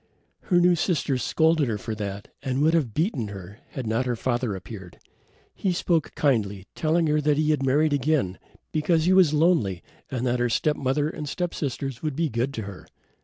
Her new sisters scolded her for that and would have beaten her had not her father appeared. He spoke kindly, telling her he had married again, because he was lonely and that her step mother and step sisters would be good to her.